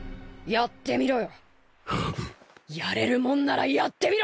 やってみろよ。